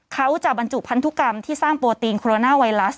เขาจะบรรจุพันธุกรรมที่สร้างโปรตีนโคโรนาไวรัส